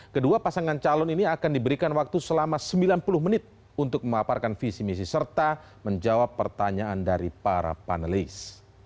kedua pasangan calon ini akan diberikan waktu selama sembilan puluh menit untuk memaparkan visi misi serta menjawab pertanyaan dari para panelis